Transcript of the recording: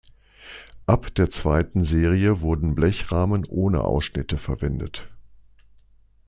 Ab der zweiten Serie wurden Blechrahmen ohne Ausschnitte verwendet.